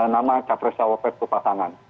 nama capresawapes ke pasangan